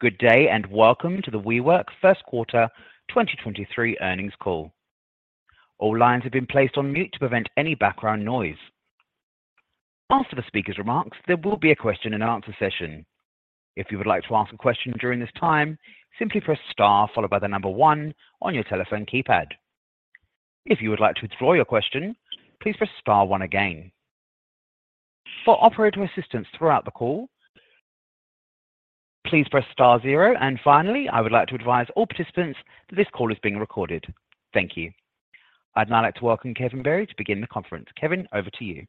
Good day, welcome to the WeWork First Quarter 2023 Earnings Call. All lines have been placed on mute to prevent any background noise. After the speaker's remarks, there will be a question and answer session. If you would like to ask a question during this time, simply press star followed by one on your telephone keypad. If you would like to withdraw your question, please press star one again. For operator assistance throughout the call, please press star zero. Finally, I would like to advise all participants that this call is being recorded. Thank you. I'd now like to welcome Kevin Berry to begin the conference. Kevin, over to you.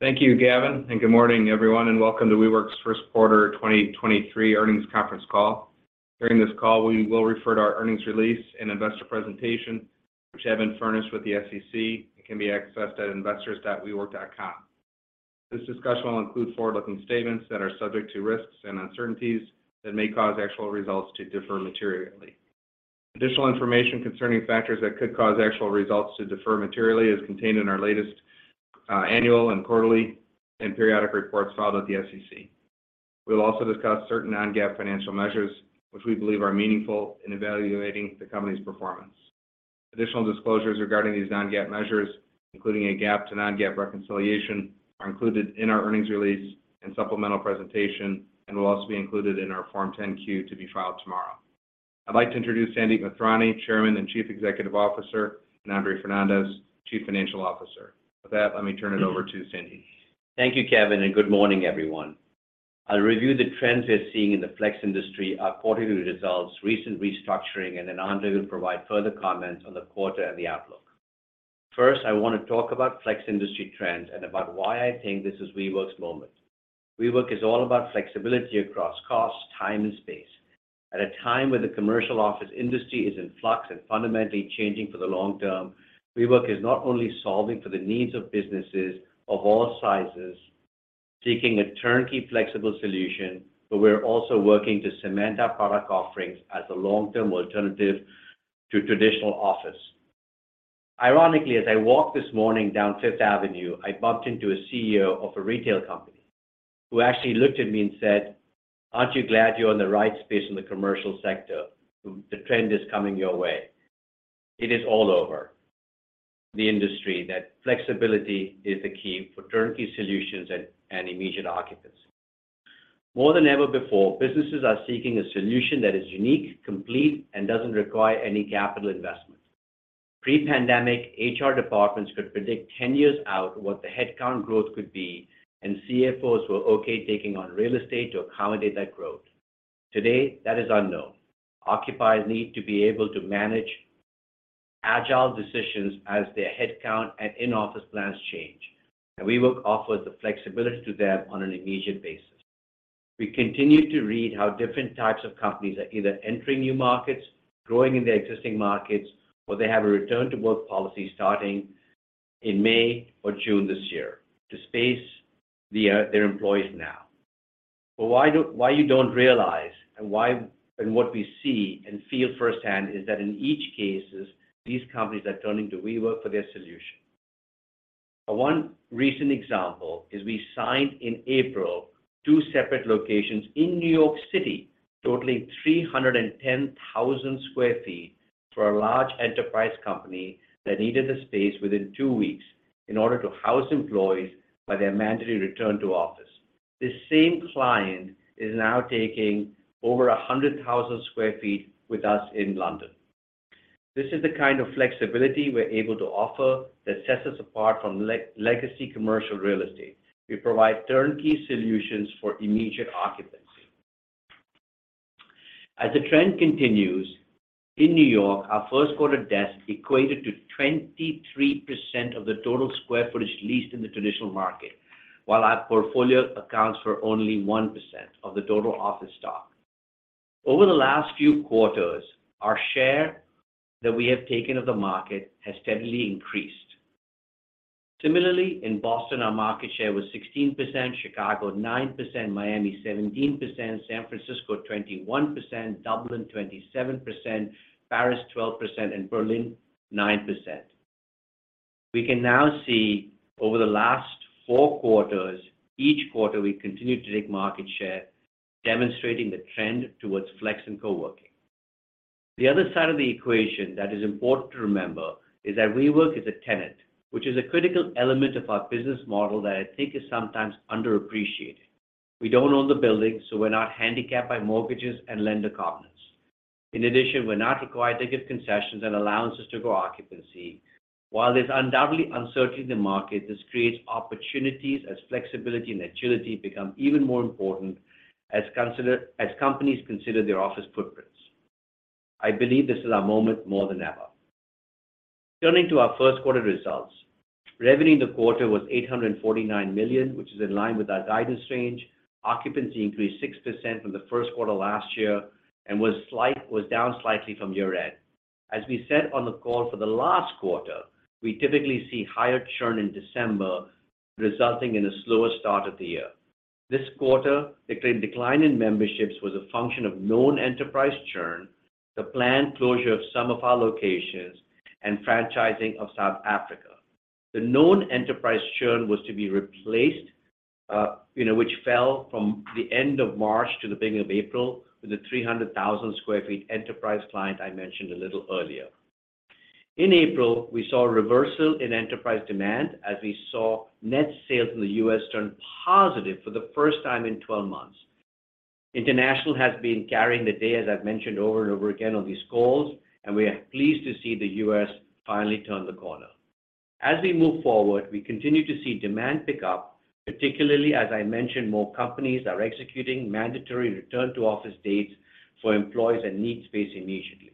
Thank you, Gavin. Good morning, everyone, and welcome to WeWork's First Quarter 2023 Earnings Conference Call. During this call, we will refer to our earnings release and investor presentation, which have been furnished with the SEC. It can be accessed at investors.wework.com. This discussion will include forward-looking statements that are subject to risks and uncertainties that may cause actual results to differ materially. Additional information concerning factors that could cause actual results to differ materially is contained in our latest annual and quarterly and periodic reports filed with the SEC. We'll also discuss certain non-GAAP financial measures, which we believe are meaningful in evaluating the company's performance. Additional disclosures regarding these non-GAAP measures, including a GAAP to non-GAAP reconciliation, are included in our earnings release and supplemental presentation and will also be included in our Form 10-Q to be filed tomorrow. I'd like to introduce Sandeep Mathrani, Chairman and Chief Executive Officer, and Andre Fernandez, Chief Financial Officer. With that, let me turn it over to Sandy. Thank you, Kevin, and good morning, everyone. I'll review the trends we're seeing in the flex industry, our quarterly results, recent restructuring, and then Andre will provide further comments on the quarter and the outlook. First, I want to talk about flex industry trends and about why I think this is WeWork's moment. WeWork is all about flexibility across cost, time, and space. At a time when the commercial office industry is in flux and fundamentally changing for the long term, WeWork is not only solving for the needs of businesses of all sizes seeking a turnkey flexible solution, but we're also working to cement our product offerings as a long-term alternative to traditional office. Ironically, as I walked this morning down Fifth Avenue, I bumped into a CEO of a retail company who actually looked at me and said, "Aren't you glad you're on the right space in the commercial sector? The trend is coming your way." It is all over the industry that flexibility is the key for turnkey solutions and immediate occupancy. More than ever before, businesses are seeking a solution that is unique, complete, and doesn't require any capital investment. Pre-pandemic, HR departments could predict 10 years out what the headcount growth could be, and CFOs were okay taking on real estate to accommodate that growth. Today, that is unknown. Occupiers need to be able to manage agile decisions as their headcount and in-office plans change, and WeWork offers the flexibility to them on an immediate basis. We continue to read how different types of companies are either entering new markets, growing in their existing markets, or they have a return to work policy starting in May or June this year to space their employees now. Why you don't realize and why and what we see and feel firsthand is that in each cases, these companies are turning to WeWork for their solution. One recent example is we signed in April 2 separate locations in New York City, totaling 310,000 sq ft, for a large enterprise company that needed the space within 2 weeks in order to house employees by their mandatory return to office. This same client is now taking over 100,000 sq ft with us in London. This is the kind of flexibility we're able to offer that sets us apart from legacy commercial real estate. We provide turnkey solutions for immediate occupancy. As the trend continues, in New York, our first quarter desk equated to 23% of the total square footage leased in the traditional market, while our portfolio accounts for only 1% of the total office stock. Over the last few quarters, our share that we have taken of the market has steadily increased. Similarly, in Boston, our market share was 16%, Chicago 9%, Miami 17%, San Francisco 21%, Dublin 27%, Paris 12%, and Berlin 9%. We can now see over the last four quarters, each quarter we continue to take market share, demonstrating the trend towards flex and coworking. The other side of the equation that is important to remember is that WeWork is a tenant, which is a critical element of our business model that I think is sometimes underappreciated. We don't own the building, we're not handicapped by mortgages and lender covenants. In addition, we're not required to give concessions and allowances to grow occupancy. While there's undoubtedly uncertainty in the market, this creates opportunities as flexibility and agility become even more important as companies consider their office footprints. I believe this is our moment more than ever. Turning to our first quarter results. Revenue in the quarter was $849 million, which is in line with our guidance range. Occupancy increased 6% from the first quarter last year and was down slightly from year-end. As we said on the call for the last quarter, we typically see higher churn in December, resulting in a slower start of the year. This quarter, the decline in memberships was a function of known enterprise churn, the planned closure of some of our locations, and franchising of South Africa. The known enterprise churn was to be replaced, you know, which fell from the end of March to the beginning of April with the 300,000 sq ft enterprise client I mentioned a little earlier. In April, we saw a reversal in enterprise demand as we saw net sales in the US turn positive for the first time in 12 months. International has been carrying the day, as I've mentioned over and over again on these calls, and we are pleased to see the U.S. finally turn the corner. We move forward, we continue to see demand pick up, particularly as I mentioned, more companies are executing mandatory return to office dates for employees and need space immediately.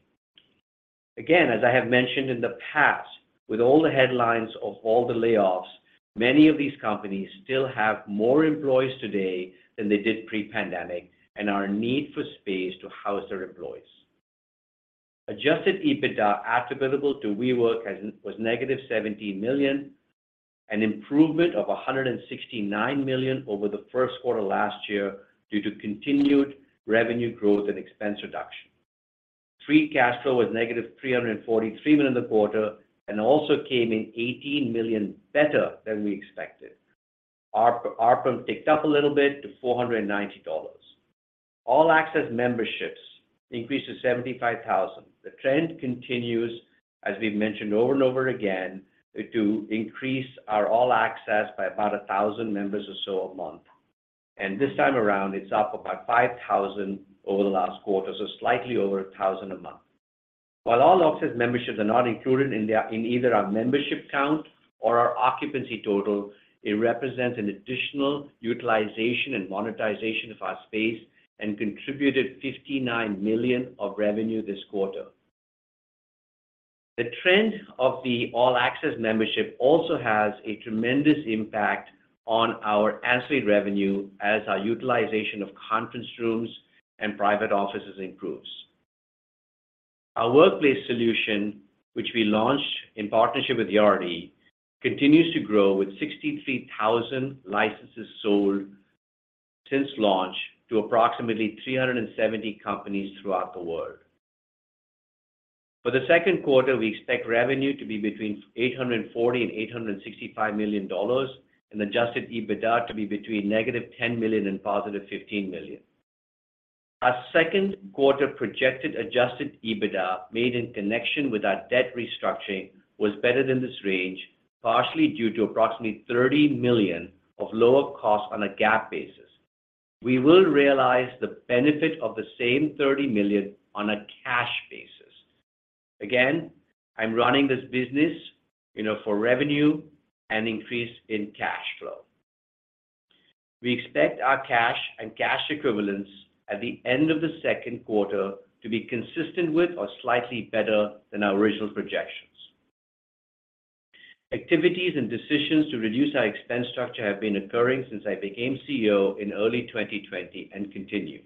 As I have mentioned in the past, with all the headlines of all the layoffs, many of these companies still have more employees today than they did pre-pandemic and are in need for space to house their employees. Adjusted EBITDA attributable to WeWork $17 million, an improvement of $169 million over the first quarter last year due to continued revenue growth and expense reduction. Free Cash Flow was -$343 million in the quarter and also came in $18 million better than we expected. Our ARPM ticked up a little bit to $490. All Access memberships increased to 75,000. The trend continues, as we've mentioned over and over again, to increase our All Access by about 1,000 members or so a month. This time around, it's up about 5,000 over the last quarter, so slightly over 1,000 a month. While All Access memberships are not included in either our membership count or our occupancy total, it represents an additional utilization and monetization of our space and contributed $59 million of revenue this quarter. The trend of the All Access membership also has a tremendous impact on our ancillary revenue as our utilization of conference rooms and private offices improves. Our WeWork Workplace solution, which we launched in partnership with Yardi, continues to grow with 63,000 licenses sold since launch to approximately 370 companies throughout the world. For the second quarter, we expect revenue to be between $840 million and $865 million and Adjusted EBITDA to be between -$10 million and +$15 million. Our second quarter projected Adjusted EBITDA made in connection with our debt restructuring was better than this range, partially due to approximately $30 million of lower costs on a GAAP basis. We will realize the benefit of the same $30 million on a cash basis. I'm running this business, you know, for revenue and increase in cash flow. We expect our cash and cash equivalents at the end of the second quarter to be consistent with or slightly better than our original projections. Activities and decisions to reduce our expense structure have been occurring since I became CEO in early 2020 and continue.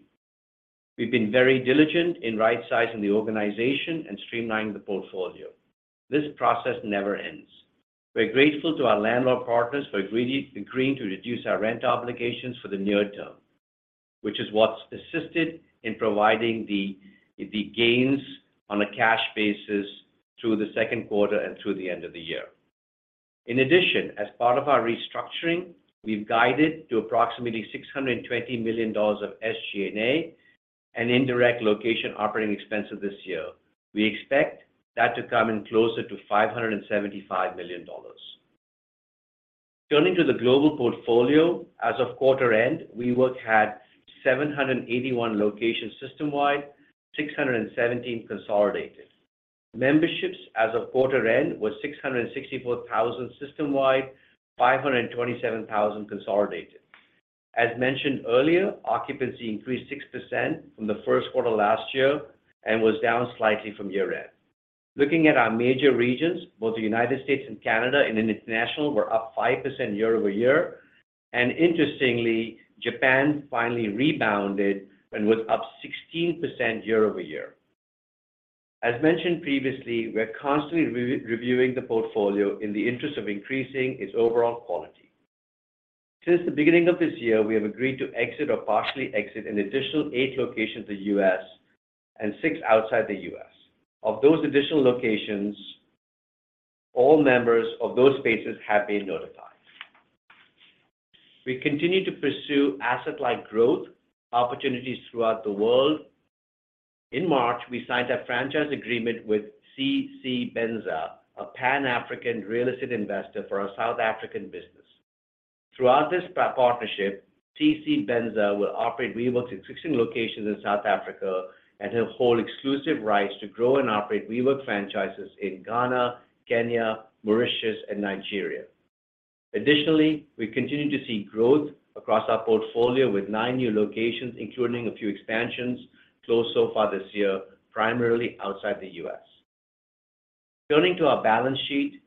We've been very diligent in right-sizing the organization and streamlining the portfolio. This process never ends. We're grateful to our landlord partners for agreeing to reduce our rent obligations for the near term, which is what's assisted in providing the gains on a cash basis through the second quarter and through the end of the year. In addition, as part of our restructuring, we've guided to approximately $620 million of SG&A and indirect location operating expenses this year. We expect that to come in closer to $575 million. Turning to the global portfolio, as of quarter end, WeWork had 781 locations system-wide, 617 consolidated. Memberships as of quarter end were 664,000 system-wide, 527,000 consolidated. As mentioned earlier, occupancy increased 6% from the first quarter last year and was down slightly from year-end. Looking at our major regions, both the United States and Canada and international were up 5% year-over-year. Interestingly, Japan finally rebounded and was up 16% year-over-year. As mentioned previously, we're constantly re-reviewing the portfolio in the interest of increasing its overall quality. Since the beginning of this year, we have agreed to exit or partially exit an additional eight locations in the U.S. and six outside the U.S. Of those additional locations, all members of those spaces have been notified. We continue to pursue asset-like growth opportunities throughout the world. In March, we signed a franchise agreement with SiSebenza, a pan-African real estate investor for our South African business. Throughout this partnership, SiSebenza will operate WeWork's existing locations in South Africa and will hold exclusive rights to grow and operate WeWork franchises in Ghana, Kenya, Mauritius, and Nigeria. Additionally, we continue to see growth across our portfolio with nine new locations, including a few expansions, closed so far this year, primarily outside the U.S. Turning to our balance sheet,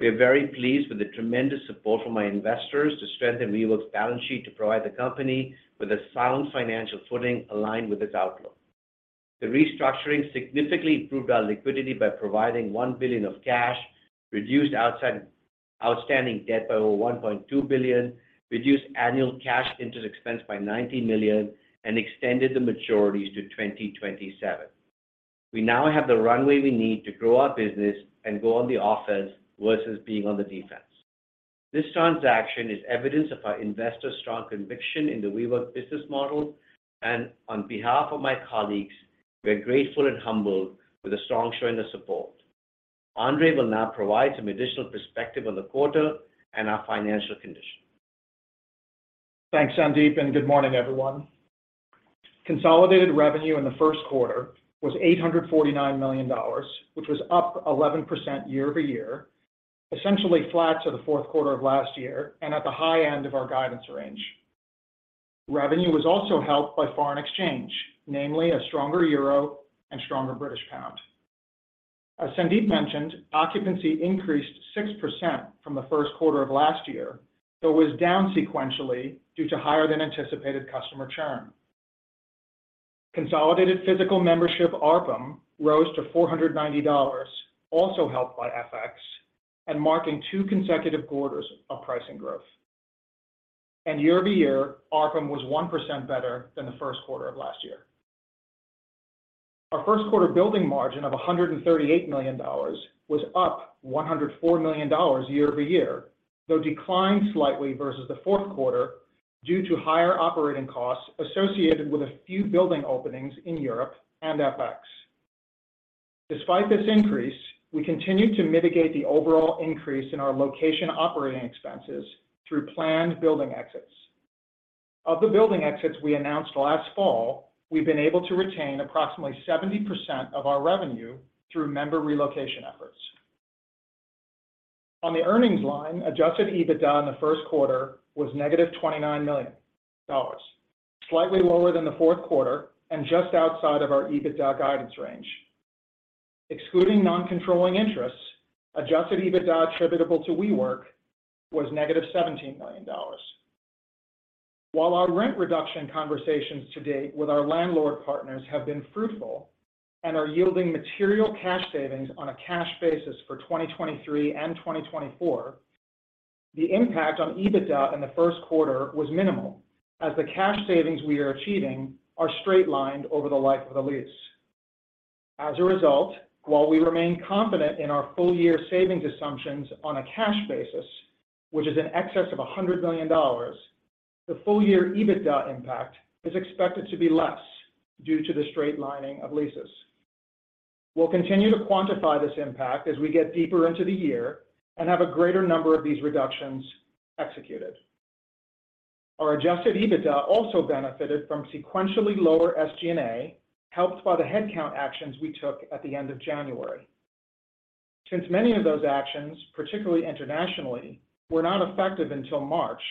we are very pleased with the tremendous support from my investors to strengthen WeWork's balance sheet to provide the company with a sound financial footing aligned with its outlook. The restructuring significantly improved our liquidity by providing $1 billion of cash, reduced outstanding debt by over $1.2 billion, reduced annual cash interest expense by $90 million, and extended the maturities to 2027. We now have the runway we need to grow our business and go on the offense versus being on the defense. This transaction is evidence of our investors' strong conviction in the WeWork business model. On behalf of my colleagues, we're grateful and humbled with a strong showing of support. Andre will now provide some additional perspective on the quarter and our financial condition. Thanks, Sandeep. Good morning, everyone. Consolidated revenue in the first quarter was $849 million, which was up 11% year-over-year, essentially flat to the fourth quarter of last year and at the high end of our guidance range. Revenue was also helped by foreign exchange, namely a stronger euro and stronger British pound. As Sandeep mentioned, occupancy increased 6% from the first quarter of last year, though was down sequentially due to higher than anticipated customer churn. Consolidated physical membership, ARPM, rose to $490, also helped by FX, and marking two consecutive quarters of pricing growth. Year-over-year, ARPM was 1% better than the first quarter of last year. Our first quarter Building Margin of $138 million was up $104 million year-over-year, though declined slightly versus the fourth quarter due to higher operating costs associated with a few building openings in Europe and FX. Despite this increase, we continued to mitigate the overall increase in our location operating expenses through planned building exits. Of the building exits we announced last fall, we've been able to retain approximately 70% of our revenue through member relocation efforts. On the earnings line, Adjusted EBITDA in the first quarter was -$29 million, slightly lower than the fourth quarter and just outside of our EBITDA guidance range. Excluding non-controlling interests, Adjusted EBITDA attributable to WeWork was -$17 million. While our rent reduction conversations to date with our landlord partners have been fruitful and are yielding material cash savings on a cash basis for 2023 and 2024, the impact on EBITDA in the first quarter was minimal as the cash savings we are achieving are straight-lined over the life of the lease. As a result, while we remain confident in our full year savings assumptions on a cash basis, which is in excess of $100 million, the full year EBITDA impact is expected to be less due to the straight-lining of leases. We'll continue to quantify this impact as we get deeper into the year and have a greater number of these reductions executed. Our Adjusted EBITDA also benefited from sequentially lower SG&A, helped by the headcount actions we took at the end of January. Since many of those actions, particularly internationally, were not effective until March,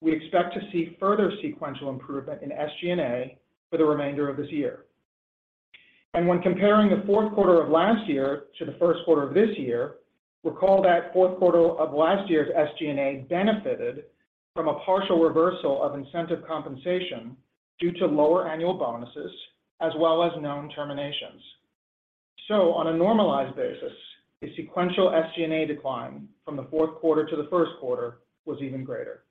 we expect to see further sequential improvement in SG&A for the remainder of this year. When comparing the fourth quarter of last year to the first quarter of this year, recall that fourth quarter of last year's SG&A benefited from a partial reversal of incentive compensation due to lower annual bonuses as well as known terminations. On a normalized basis, a sequential SG&A decline from the fourth quarter to the first quarter was even greater.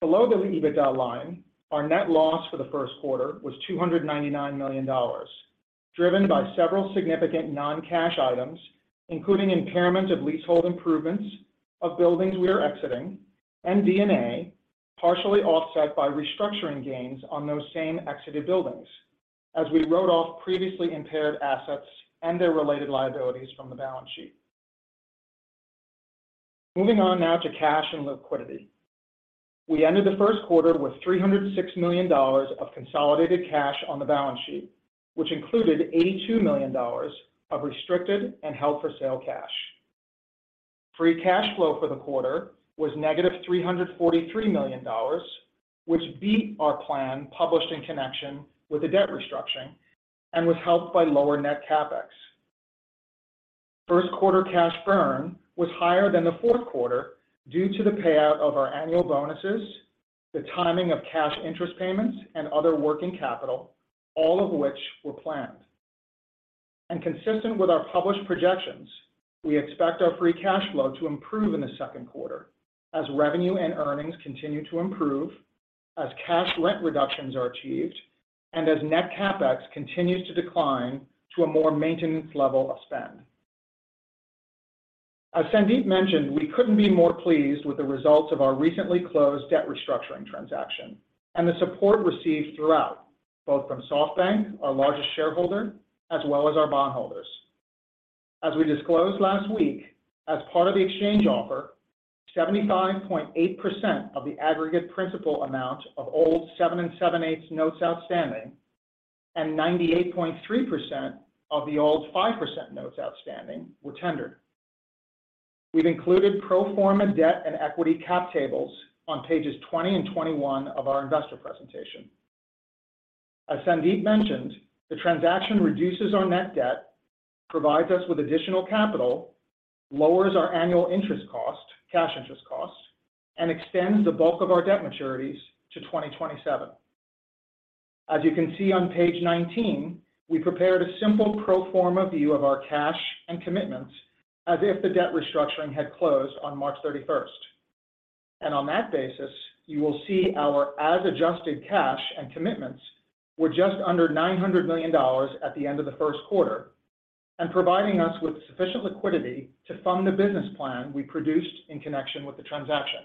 Below the EBITDA line, our net loss for the first quarter was $299 million, driven by several significant non-cash items, including impairment of leasehold improvements of buildings we are exiting and DA&A, partially offset by restructuring gains on those same exited buildings as we wrote off previously impaired assets and their related liabilities from the balance sheet. Moving on now to cash and liquidity. We ended the first quarter with $306 million of consolidated cash on the balance sheet, which included $82 million of restricted and held for sale cash. Free Cash Flow for the quarter was -$343 million, which beat our plan published in connection with the debt restructuring and was helped by lower net CapEx. First quarter cash burn was higher than the fourth quarter due to the payout of our annual bonuses, the timing of cash interest payments, and other working capital, all of which were planned. Consistent with our published projections, we expect our Free Cash Flow to improve in the second quarter as revenue and earnings continue to improve, as cash rent reductions are achieved, and as net CapEx continues to decline to a more maintenance level of spend. As Sandeep mentioned, we couldn't be more pleased with the results of our recently closed debt restructuring transaction and the support received throughout, both from SoftBank, our largest shareholder, as well as our bondholders. As we disclosed last week, as part of the exchange offer, 75.8% of the aggregate principal amount of old 7.875% Senior Notes outstanding and 98.3% of the old 5.00% Notes outstanding were tendered. We've included pro forma debt and equity cap tables on pages 20 and 21 of our investor presentation. As Sandeep mentioned, the transaction reduces our net debt, provides us with additional capital, lowers our annual interest cost, cash interest cost, and extends the bulk of our debt maturities to 2027. As you can see on page 19, we prepared a simple pro forma view of our cash and commitments as if the debt restructuring had closed on March 31st. On that basis, you will see our as adjusted cash and commitments were just under $900 million at the end of the 1st quarter, and providing us with sufficient liquidity to fund the business plan we produced in connection with the transaction.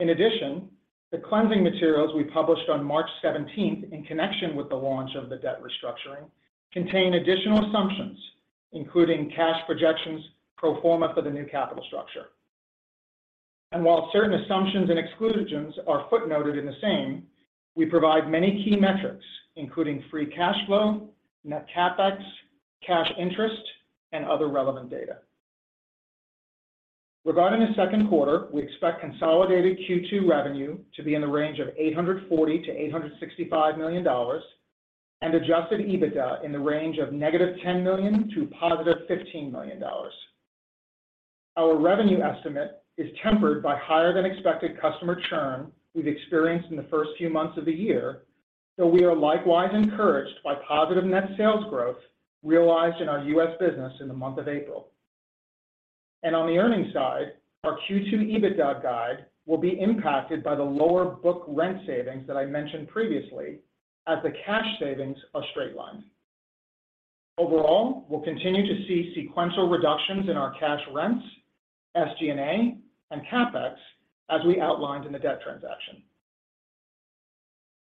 In addition, the cleansing materials we published on March 17th in connection with the launch of the debt restructuring contain additional assumptions, including cash projections pro forma for the new capital structure. While certain assumptions and exclusions are footnoted in the same, we provide many key metrics, including Free Cash Flow, net CapEx, cash interest, and other relevant data. Regarding the second quarter, we expect consolidated Q2 revenue to be in the range of $840 million-$865 million and Adjusted EBITDA in the range of -$10 million to +$15 million. Our revenue estimate is tempered by higher than expected customer churn we've experienced in the first few months of the year, though we are likewise encouraged by positive net sales growth realized in our U.S. business in the month of April. On the earnings side, our Q2 EBITDA guide will be impacted by the lower book rent savings that I mentioned previously as the cash savings are straight-line. Overall, we'll continue to see sequential reductions in our cash rents, SG&A, and CapEx, as we outlined in the debt transaction.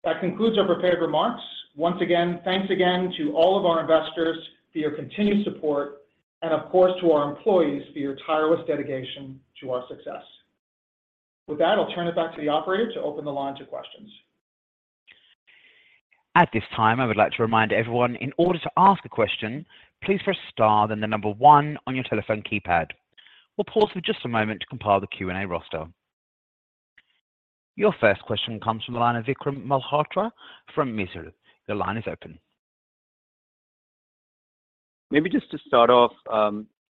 That concludes our prepared remarks. Once again, thanks again to all of our investors for your continued support and of course to our employees for your tireless dedication to our success. With that, I'll turn it back to the operator to open the line to questions. At this time, I would like to remind everyone in order to ask a question, please press star then the number one on your telephone keypad. We'll pause for just a moment to compile the Q&A roster. Your first question comes from the line of Vikram Malhotra from Mizuho. Your line is open. Maybe just to start off,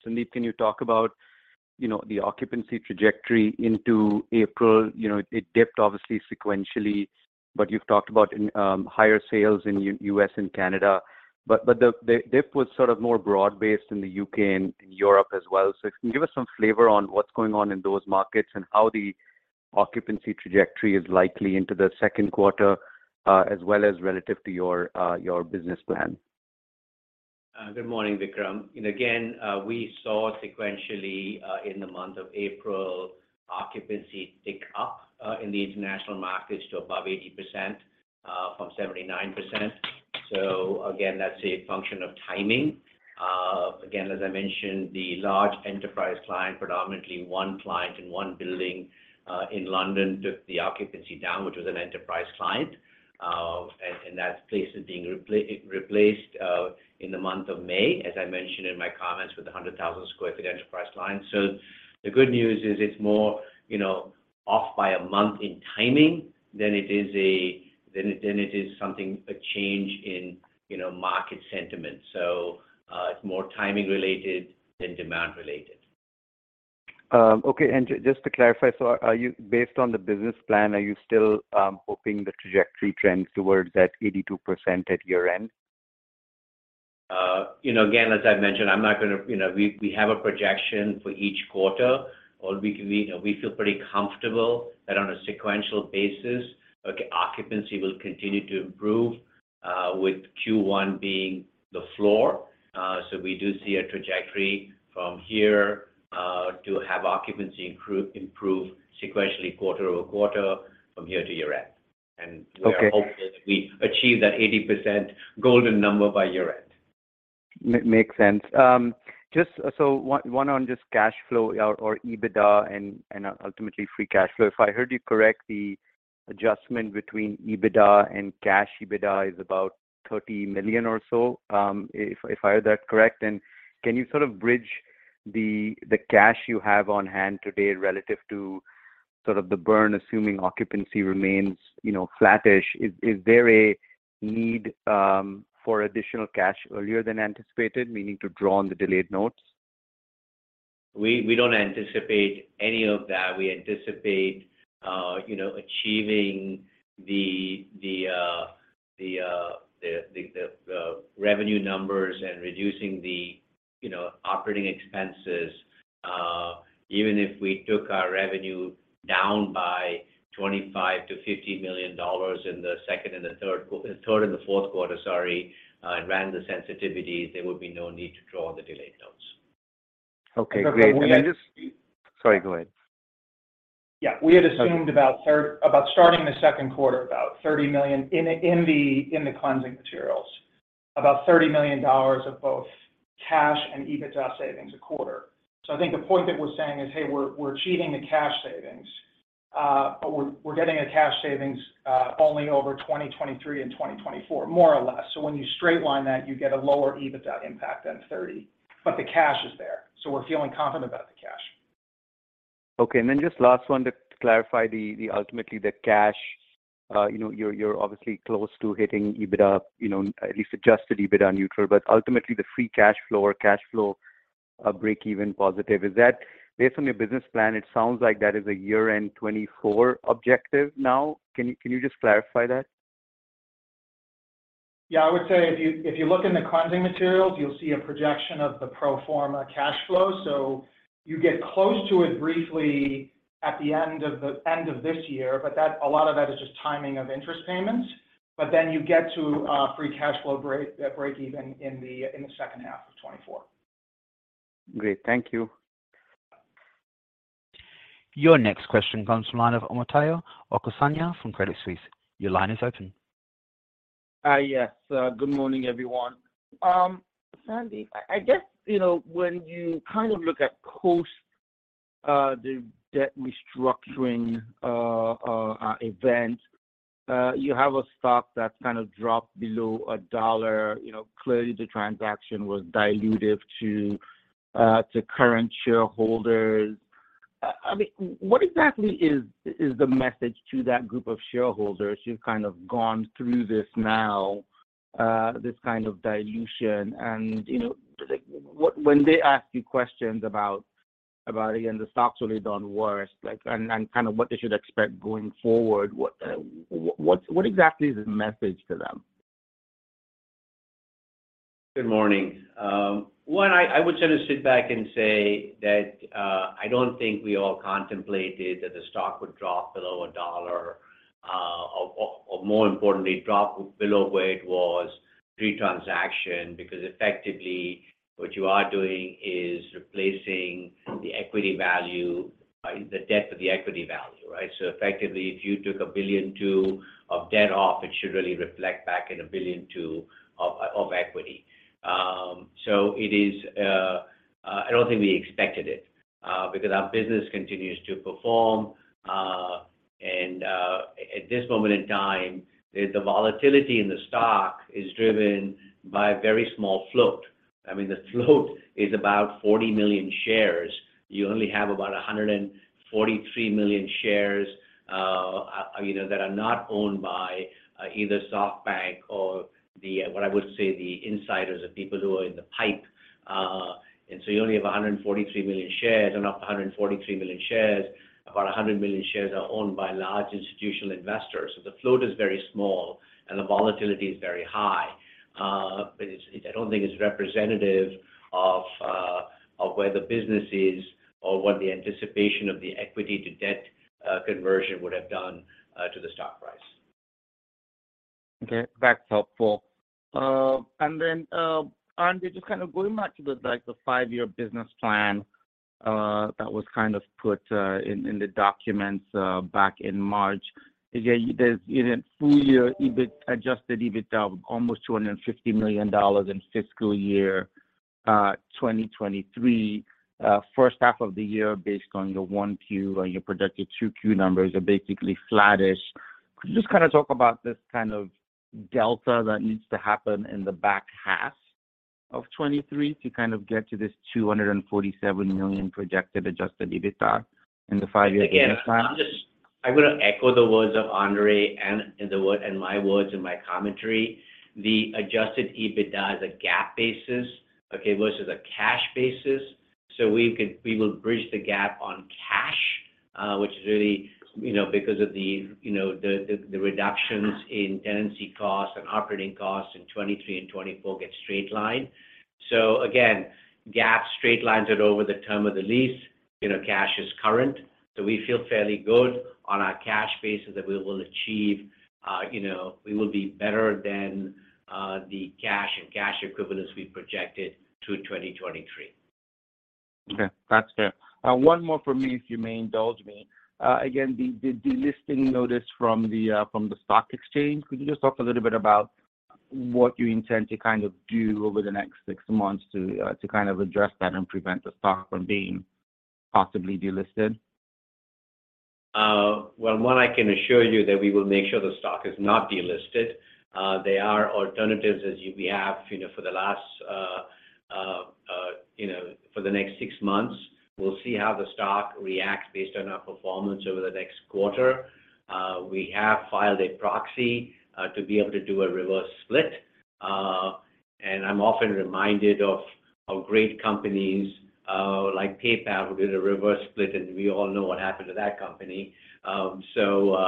Sandeep, can you talk about, you know, the occupancy trajectory into April? You know, it dipped obviously sequentially. You've talked about, higher sales in U.S. and Canada. The dip was sort of more broad-based in the U.K. and in Europe as well. If you can give us some flavor on what's going on in those markets and how the occupancy trajectory is likely into the second quarter, as well as relative to your business plan. Good morning, Vikram. Again, we saw sequentially, in the month of April, occupancy tick up, in the international markets to above 80%, from 79%. Again, that's a function of timing. Again, as I mentioned, the large enterprise client, predominantly 1 client in 1 building, in London, took the occupancy down, which was an enterprise client. That place is being replaced, in the month of May, as I mentioned in my comments, with a 100,000 sq ft enterprise client. The good news is it's more, you know, off by 1 month in timing than it is something, a change in, you know, market sentiment. It's more timing related than demand related. Okay. Just to clarify, based on the business plan, are you still hoping the trajectory trends towards that 82% at year-end? You know, again, as I've mentioned. You know, we have a projection for each quarter, or we feel pretty comfortable that on a sequential basis, occupancy will continue to improve with Q1 being the floor. We do see a trajectory from here to have occupancy improve sequentially quarter-over-quarter from here to year-end. Okay. We are hopeful that we achieve that 80% golden number by year-end. Makes sense. Just one on just cash flow or EBITDA and ultimately Free Cash Flow. If I heard you correctly, adjustment between EBITDA and cash EBITDA is about $30 million or so, if I heard that correct. Can you sort of bridge the cash you have on hand today relative to sort of the burn, assuming occupancy remains, you know, flattish. Is there a need for additional cash earlier than anticipated, meaning to draw on the delayed notes? We don't anticipate any of that. We anticipate, you know, achieving the revenue numbers and reducing the, you know, operating expenses. Even if we took our revenue down by $25 million-$50 million in the second and the third and the fourth quarter, sorry, and ran the sensitivities, there would be no need to draw the delayed notes. Okay, great. We have- Sorry, go ahead. Yeah. We had assumed about starting the second quarter, about 30 million in the cleansing materials. About $30 million of both cash and EBITDA savings a quarter. I think the point that we're saying is, hey, we're achieving the cash savings, but we're getting a cash savings only over 2023 and 2024, more or less. When you straight line that, you get a lower EBITDA impact than 30. The cash is there, so we're feeling confident about the cash. Okay. Then just last one to clarify the ultimately the cash, you know, you're obviously close to hitting EBITDA, you know, at least Adjusted EBITDA neutral, but ultimately the Free Cash Flow or cash flow breakeven positive. Is that based on your business plan, it sounds like that is a year-end 2024 objective now? Can you just clarify that? I would say if you look in the cleansing materials, you'll see a projection of the pro forma cash flow. You get close to it briefly at the end of this year, but a lot of that is just timing of interest payments. You get to Free Cash Flow break even in the second half of 2024. Great. Thank you. Your next question comes from line of Omotayo Okusanya from Credit Suisse. Your line is open. Yes. Good morning, everyone. Sandeep, I guess, you know, when you kind of look at post the debt restructuring event, you have a stock that's kind of dropped below $1. You know, clearly the transaction was dilutive to current shareholders. I mean, what exactly is the message to that group of shareholders who've kind of gone through this now, this kind of dilution? When they ask you questions about again, the stock's really done worse, like, and kind of what they should expect going forward, what exactly is the message to them? Good morning. I would sort back and say that I don't think we all contemplated that the stock would drop below $1 or more importantly, drop below where it was pre-transaction. Effectively what you are doing is replacing the equity value, the debt for the equity value, right? Effectively, if you took $1.2 billion of debt off, it should really reflect back in $1.2 billion of equity. It is I don't think we expected it because our business continues to perform. At this moment in time, the volatility in the stock is driven by a very small float. I mean, the float is about 40 million shares. You only have about 143 million shares, you know, that are not owned by either SoftBank or the, what I would say, the insiders or people who are in the pipe. You only have 143 million shares, and of the 143 million shares, about 100 million shares are owned by large institutional investors. The float is very small, and the volatility is very high. It's I don't think it's representative of where the business is or what the anticipation of the equity to debt conversion would have done to the stock price. Okay, that's helpful. Andre, just kind of going back to the, like the five-year business plan, that was kind of put in the documents back in March. Again, you did full year Adjusted EBITDA of almost $250 million in fiscal year 2023. First half of the year based on your 1Q and your projected 2Q numbers are basically flattish. Could you just kind of talk about this kind of delta that needs to happen in the back half of 2023 to kind of get to this $247 million projected Adjusted EBITDA in the five-year business plan? Again, I'm gonna echo the words of Andre and my words and my commentary. The Adjusted EBITDA is a GAAP basis, okay, versus a cash basis. We will bridge the gap on cash, which is really, you know, because of the, you know, the reductions in tenancy costs and operating costs in 2023 and 2024 get straight-lined. Again, GAAP straight-lines it over the term of the lease. You know, cash is current. We feel fairly good on our cash basis that we will achieve, you know, we will be better than the cash and cash equivalents we projected through 2023. Okay. That's fair. One more from me, if you may indulge me. Again, the delisting notice from the stock exchange. Could you just talk a little bit about what you intend to kind of do over the next 6 months to kind of address that and prevent the stock from being possibly delisted? Well, one, I can assure you that we will make sure the stock is not delisted. There are alternatives as we have, you know, for the last, you know, for the next six months. We'll see how the stock reacts based on our performance over the next quarter. We have filed a proxy to be able to do a reverse split. I'm often reminded of great companies like PayPal, who did a reverse split, and we all know what happened to that company. There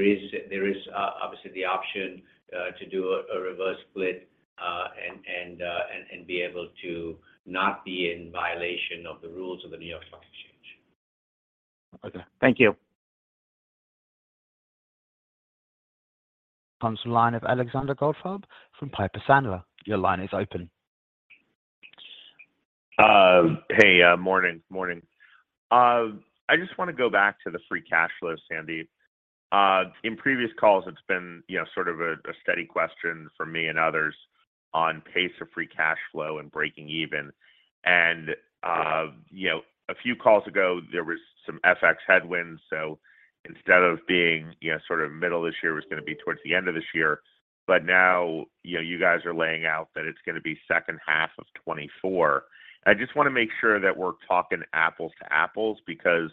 is obviously the option to do a reverse split and be able to not be in violation of the rules of the New York Stock Exchange. Okay. Thank you. Comes to the line of Alexander Goldfarb from Piper Sandler. Your line is open. Hey, morning. I just wanna go back to the Free Cash Flow, Sandeep. In previous calls, it's been, you know, sort of a steady question for me and others on pace of Free Cash Flow and breaking even. Yeah. You know, a few calls ago, there was some FX headwinds. Instead of being, you know, sort of middle of this year, it was gonna be towards the end of this year. Now, you know, you guys are laying out that it's gonna be second half of 2024. I just wanna make sure that we're talking apples to apples because,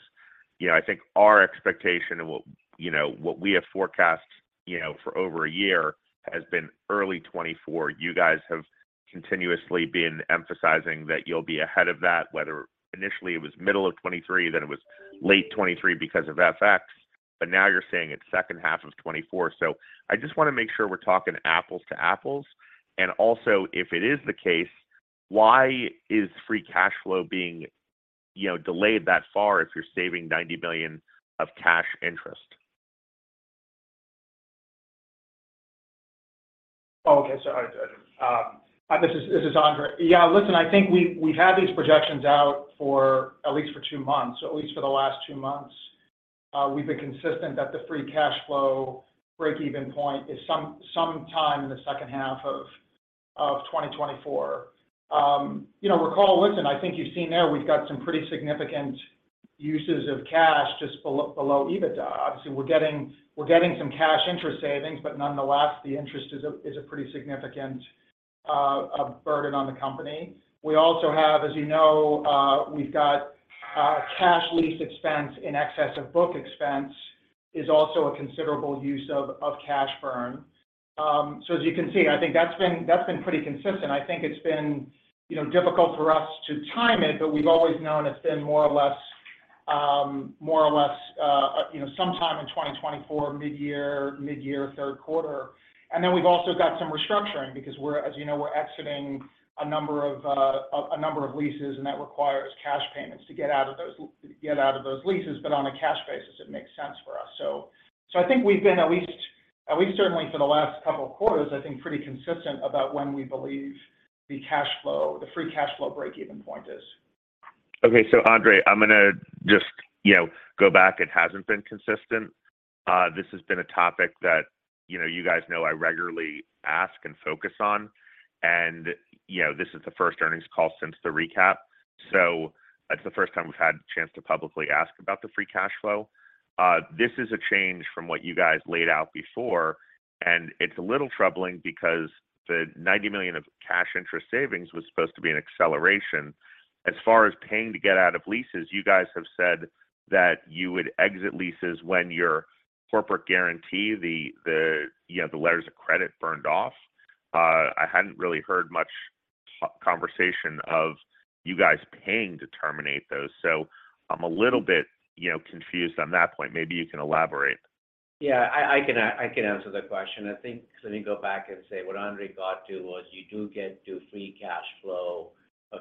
you know, I think our expectation and what, you know, what we have forecast, you know, for over a year, has been early 2024. You guys have continuously been emphasizing that you'll be ahead of that, whether initially it was middle of 2023, then it was late 2023 because of FX. Now you're saying it's second half of 2024. I just wanna make sure we're talking apples to apples. Also, if it is the case, why is Free Cash Flow being, you know, delayed that far if you're saving $90 million of cash interest? Okay. This is Andre. Listen, I think we had these projections out for at least 2 months, for the last 2 months. We've been consistent that the Free Cash Flow break-even point is some time in the second half of 2024. You know, recall, listen, I think you've seen there, we've got some pretty significant uses of cash just below EBITDA. Obviously, we're getting some cash interest savings, but nonetheless, the interest is a pretty significant burden on the company. We also have, as you know, we've got cash lease expense in excess of book expense is also a considerable use of cash burn. As you can see, I think that's been pretty consistent. I think it's been, you know, difficult for us to time it, but we've always known it's been more or less, you know, sometime in 2024, midyear, 3rd quarter. We've also got some restructuring because we're, as you know, we're exiting a number of leases, and that requires cash payments to get out of those leases, but on a cash basis, it makes sense for us. I think we've been at least certainly for the last couple of quarters, I think pretty consistent about when we believe the cash flow, the Free Cash Flow break-even point is. Okay. Andre, I'm gonna just, you know, go back. It hasn't been consistent. This has been a topic that, you know, you guys know I regularly ask and focus on. This is the first earnings call since the recap. It's the first time we've had a chance to publicly ask about the Free Cash Flow. This is a change from what you guys laid out before, and it's a little troubling because the $90 million of cash interest savings was supposed to be an acceleration. As far as paying to get out of leases, you guys have said that you would exit leases when your corporate guarantee, the, you know, the letters of credit burned off. I hadn't really heard much conversation of you guys paying to terminate those. I'm a little bit, you know, confused on that point. Maybe you can elaborate? Yeah. I can answer the question. I think let me go back and say what Andre got to was you do get to Free Cash Flow,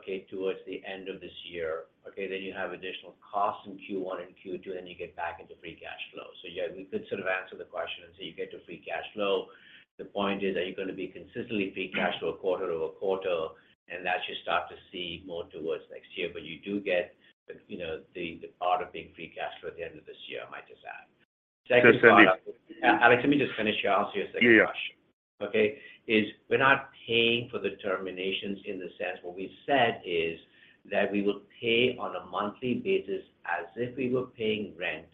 okay, towards the end of this year, okay? You have additional costs in Q1 and Q2, then you get back into Free Cash Flow. Yeah, we could sort of answer the question and say you get to Free Cash Flow. The point is, are you gonna be consistently Free Cash Flow quarter-over-quarter? That you start to see more towards next year. You do get, you know, the part of being Free Cash Flow at the end of this year, I might just add. Just Sandeep. Alex, let me just finish. I'll ask you a second question. Yeah, yeah. Okay. We're not paying for the terminations in the sense. What we've said is that we will pay on a monthly basis as if we were paying rent,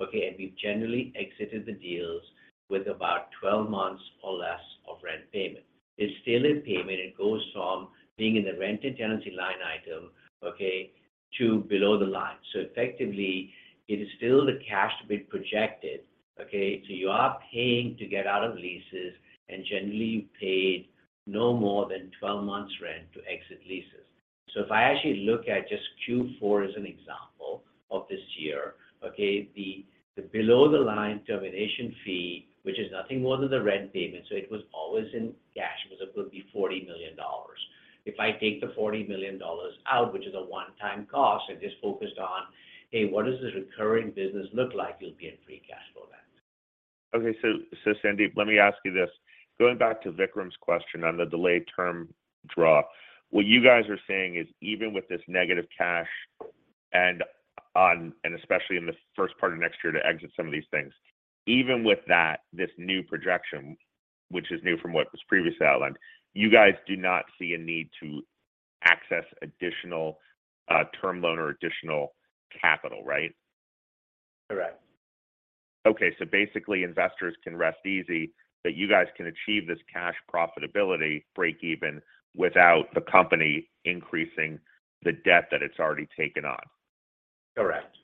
okay, and we've generally exited the deals with about 12 months or less of rent payment. It's still in payment. It goes from being in the rent and tenancy line item, okay, to below the line. Effectively, it is still the cash to be projected, okay? You are paying to get out of leases, and generally, you paid no more than 12 months rent to exit leases. If I actually look at just Q4 as an example of this year, okay, the below the line termination fee, which is nothing more than the rent payment, so it was always in cash, was it would be $40 million. If I take the $40 million out, which is a one-time cost, and just focused on, "Hey, what does the recurring business look like?" You'll be in Free Cash Flow then. Okay. So Sandeep, let me ask you this. Going back to Vikram's question on the delayed draw term loan, what you guys are saying is even with this negative cash and especially in the first part of next year to exit some of these things, even with that, this new projection, which is new from what was previously outlined, you guys do not see a need to access additional term loan or additional capital, right? Correct. Okay. Basically, investors can rest easy that you guys can achieve this cash profitability break even without the company increasing the debt that it's already taken on. Correct.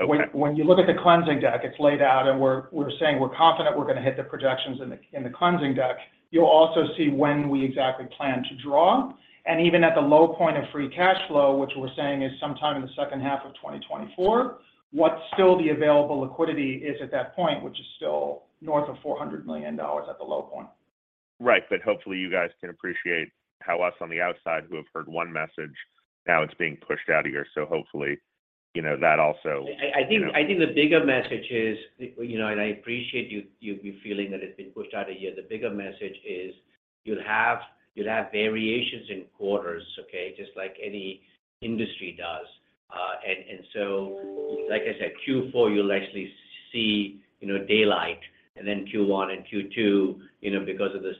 Okay. When you look at the cleansing deck, it's laid out and we're saying we're confident we're gonna hit the projections in the cleansing deck. You'll also see when we exactly plan to draw. Even at the low point of Free Cash Flow, which we're saying is sometime in the second half of 2024, what's still the available liquidity is at that point, which is still north of $400 million at the low point. Right. Hopefully you guys can appreciate how us on the outside who have heard one message, now it's being pushed out a year. Hopefully, you know, that also. I think the bigger message is, you know, and I appreciate you feeling that it's been pushed out a year. The bigger message is you'll have variations in quarters, okay, just like any industry does. Like I said, Q4, you'll actually see, you know, daylight. Q1 and Q2, you know, because of the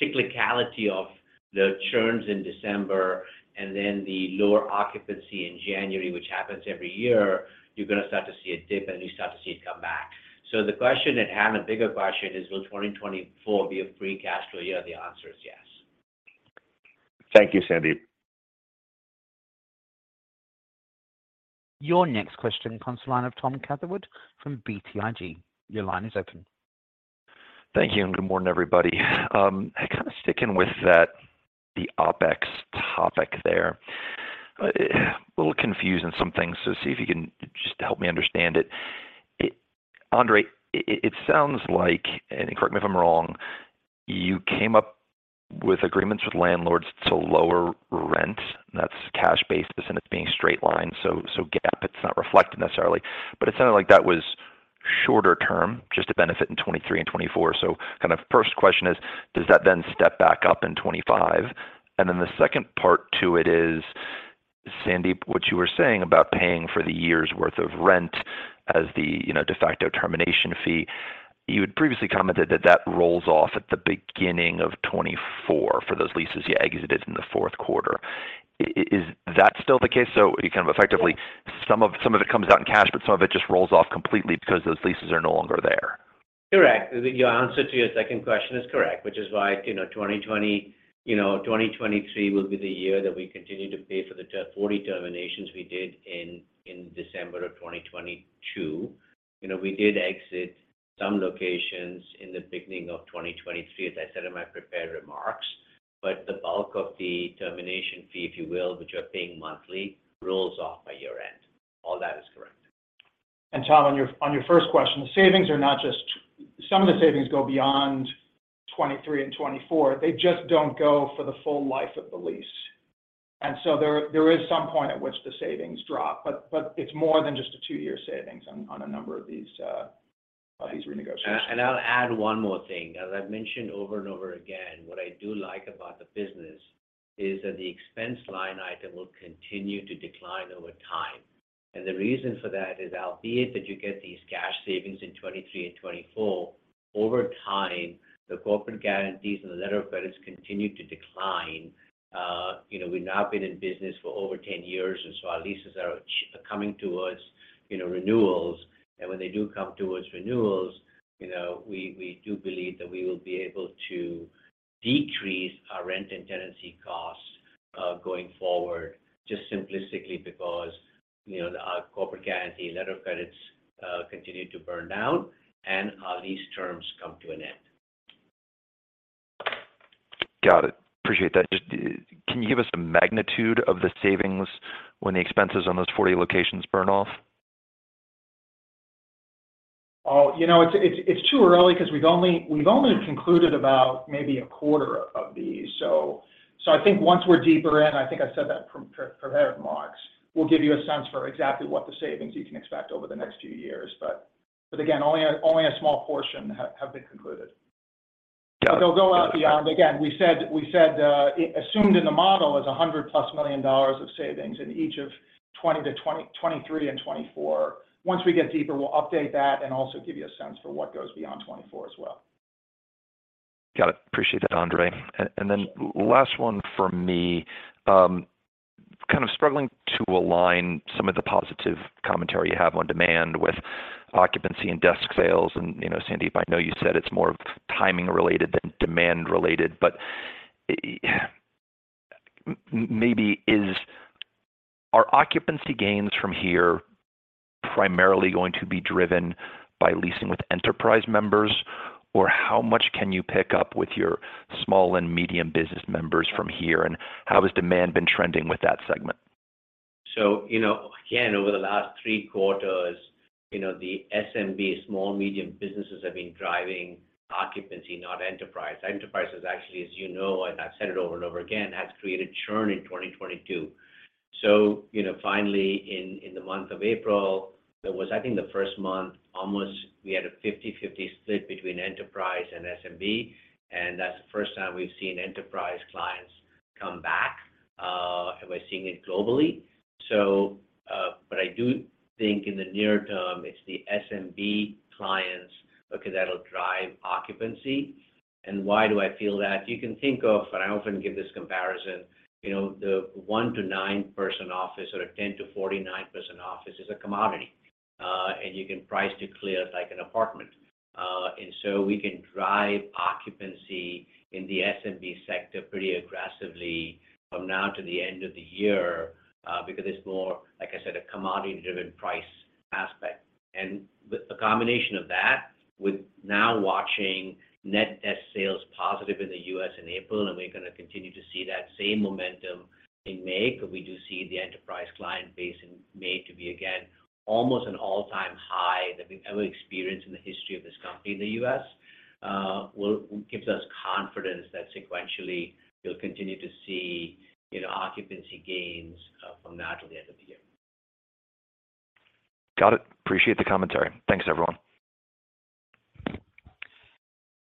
cyclicality of the churns in December and then the lower occupancy in January, which happens every year, you're gonna start to see a dip and you start to see it come back. The question at hand, the bigger question is, will 2024 be a Free Cash Flow year? The answer is yes. Thank you, Sandeep. Your next question comes the line of Thomas Catherwood from BTIG. Your line is open. Thank you, and good morning, everybody. kind of sticking with that, the OpEx topic there. A little confused on some things, see if you can just help me understand it. Andre, it sounds like, and correct me if I'm wrong, you came up with agreements with landlords to lower rent. That's cash basis, and it's being straight-lined, so GAAP, it's not reflected necessarily. It sounded like that was shorter term, just a benefit in 2023 and 2024. kind of first question is, does that then step back up in 2025? The second part to it is, Sandeep, what you were saying about paying for the year's worth of rent as the, you know, de facto termination fee. You had previously commented that that rolls off at the beginning of 2024 for those leases you exited in the fourth quarter. Is that still the case? You kind of effectively- Yes. Some of it comes out in cash, but some of it just rolls off completely because those leases are no longer there. Correct. Your answer to your second question is correct, which is why, you know, 2023 will be the year that we continue to pay for the 40 terminations we did in December of 2022. You know, we did exit some locations in the beginning of 2023, as I said in my prepared remarks. The bulk of the termination fee, if you will, which we're paying monthly, rolls off by year-end. All that is correct. Tom, on your first question, the savings are not just. Some of the savings go beyond 23 and 24. They just don't go for the full life of the lease. There is some point at which the savings drop, but it's more than just a 2-year savings on a number of these renegotiations. I'll add one more thing. As I've mentioned over and over again, what I do like about the business is that the expense line item will continue to decline over time. The reason for that is, albeit that you get these cash savings in 2023 and 2024, over time, the corporate guarantees and the letter of credits continue to decline. You know, we've now been in business for over 10 years, so our leases are coming towards, you know, renewals. When they do come towards renewals, you know, we do believe that we will be able to decrease our rent and tenancy costs, going forward, just simplistically because, you know, our corporate guarantee and letter of credits, continue to burn down and our lease terms come to an end. Got it. Appreciate that. Just, can you give us a magnitude of the savings when the expenses on those 40 locations burn off? You know, it's too early because we've only concluded about maybe a quarter of these. I think once we're deeper in, I think I said that in prepared remarks, we'll give you a sense for exactly what the savings you can expect over the next few years. But again, only a small portion have been concluded. Got it. They'll go out beyond. Again, we said, assumed in the model is $100+ million of savings in each of 2023 and 2024. Once we get deeper, we'll update that and also give you a sense for what goes beyond 2024 as well. Got it. Appreciate that, Andre. Then last one from me. Kind of struggling to align some of the positive commentary you have on demand with occupancy and desk sales. You know, Sandeep, I know you said it's more timing related than demand related, but maybe Are occupancy gains from here primarily going to be driven by leasing with enterprise members, or how much can you pick up with your small and medium business members from here, and how has demand been trending with that segment? You know, again, over the last three quarters, you know, the SMB, small and medium businesses, have been driving occupancy, not enterprise. Enterprise is actually, as you know, and I've said it over and over again, has created churn in 2022. You know, finally in the month of April, that was, I think, the first month almost we had a 50/50 split between enterprise and SMB, and that's the first time we've seen enterprise clients come back. And we're seeing it globally. But I do think in the near term, it's the SMB clients, because that'll drive occupancy. Why do I feel that? You can think of, and I often give this comparison, you know, the one to nine person office or a 10 to 49 person office is a commodity, and you can price to clear like an apartment. We can drive occupancy in the SMB sector pretty aggressively from now to the end of the year because it's more, like I said, a commodity driven price aspect. The combination of that with now watching net desk sales positive in the U.S. in April, and we're gonna continue to see that same momentum in May, because we do see the enterprise client base in May to be, again, almost an all-time high that we've ever experienced in the history of this company in the U.S. gives us confidence that sequentially we'll continue to see, you know, occupancy gains from now to the end of the year. Got it. Appreciate the commentary. Thanks, everyone.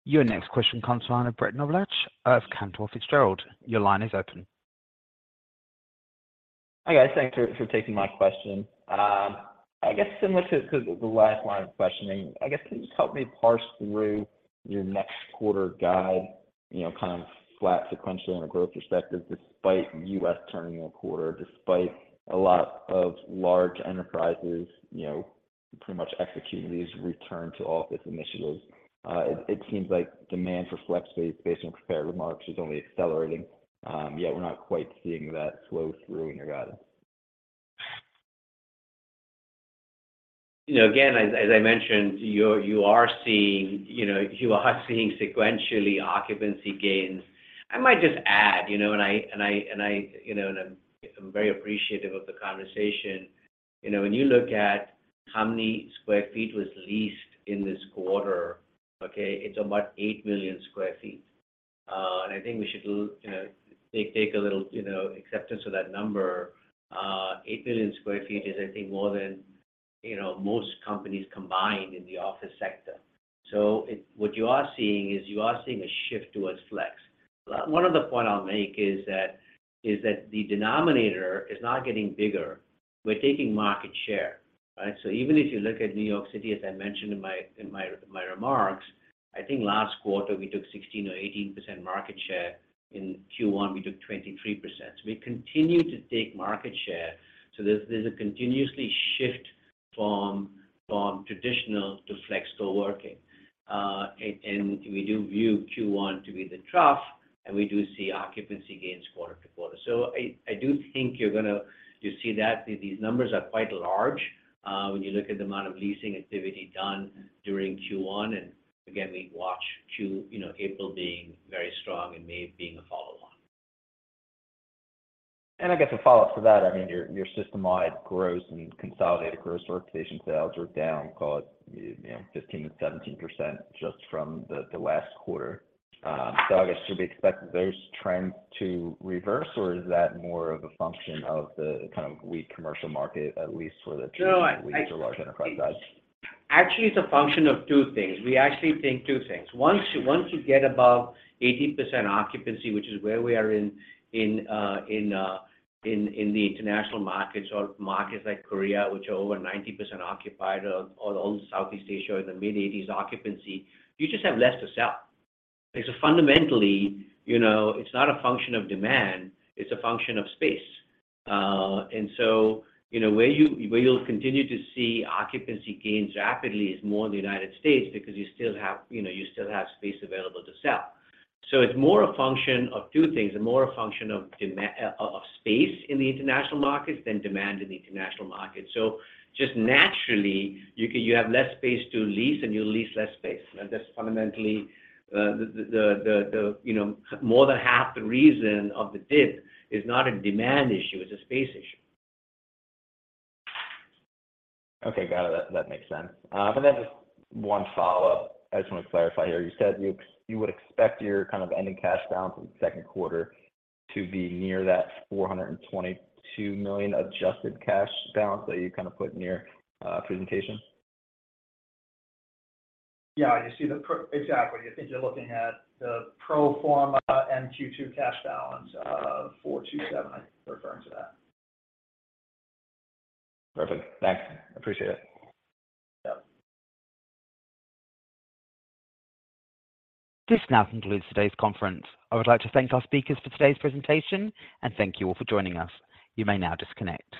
Your next question comes on the line of Brett Knoblauch of Cantor Fitzgerald. Your line is open. Hi, guys. Thank you for taking my question. I guess similar to the last line of questioning, I guess can you just help me parse through your next quarter guide, you know, kind of flat sequentially on a growth perspective despite U.S. turning a quarter, despite a lot of large enterprises, you know, to pretty much execute these return to office initiatives? It seems like demand for flex space based on prepared remarks is only accelerating. Yet we're not quite seeing that flow through in your guidance. You know, again, as I mentioned, you are seeing sequentially occupancy gains. I might just add, you know, and I'm very appreciative of the conversation. You know, when you look at how many square feet was leased in this quarter, okay, it's about 8 million sq ft. I think we should take a little, you know, acceptance of that number. 8 million sq ft is, I think, more than, you know, most companies combined in the office sector. What you are seeing is you are seeing a shift towards flex. One other point I'll make is that the denominator is not getting bigger. We're taking market share, right? Even if you look at New York City, as I mentioned in my remarks, I think last quarter we took 16% or 18% market share. In Q1, we took 23%. We continue to take market share. There's a continuously shift from traditional to flex coworking. We do view Q1 to be the trough, and we do see occupancy gains quarter-to-quarter. I do think you'll see that. These numbers are quite large when you look at the amount of leasing activity done during Q1. Again, we watch you know, April being very strong and May being a follow on. I guess a follow-up to that, I mean, your system-wide gross and consolidated gross organization sales are down call it, you know, 15%-17% just from the last quarter. I guess should we expect those trends to reverse, or is that more of a function of the kind of weak commercial market, at least for the? No. I larger enterprise guys? Actually, it's a function of two things. We actually think two things. Once you get above 80% occupancy, which is where we are in the international markets or markets like Korea, which are over 90% occupied, or Southeast Asia in the mid-80s occupancy, you just have less to sell. Fundamentally, you know, it's not a function of demand, it's a function of space. You know, where you'll continue to see occupancy gains rapidly is more in the United States because you still have space available to sell. It's more a function of two things, and more a function of space in the international markets than demand in the international markets. Just naturally, you have less space to lease and you lease less space. That's fundamentally the, you know, more than half the reason of the dip is not a demand issue, it's a space issue. Okay, got it. That makes sense. And then just one follow-up. I just wanna clarify here. You said you would expect your kind of ending cash balance in the second quarter to be near that $422 million adjusted cash balance that you kind of put in your presentation? Exactly. I think you're looking at the pro forma and Q2 cash balance of $427. I think we're referring to that. Perfect. Thanks. Appreciate it. Yep. This now concludes today's conference. I would like to thank our speakers for today's presentation, and thank you all for joining us. You may now disconnect.